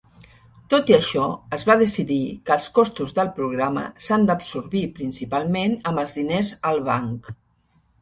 Tot i això, es va decidir que els costos del programa s'han d'absorbir principalment amb els diners al banc.